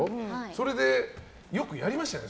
それでよくやりましたよね。